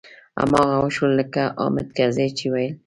هماغه و شول لکه حامد کرزي چې ويل.